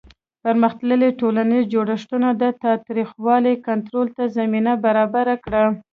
پرمختللي ټولنیز جوړښتونه د تاوتریخوالي کنټرول ته زمینه برابره کړه.